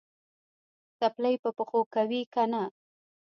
څپلۍ په پښو کوې که نه؟